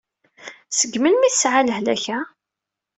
Seg melmi i tesɛa lehlak-a?